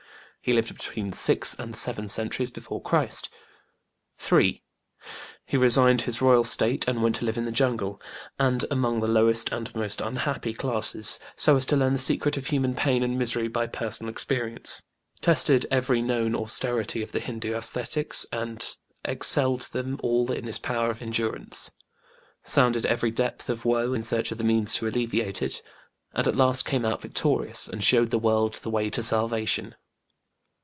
He lived between six and seven centuries before Christ. 3. He resigned his royal state and went to live in the jungle, and among the lowest and most unhappy classes, so as to learn the secret of human pain and misery by personal experience: tested every known austerity of the HindĖĢÅŦ ascetics and excelled them all in his power of endurance: sounded every depth of woe in search of the means to alleviate it: and at last came out victorious, and showed the world the way to salvation.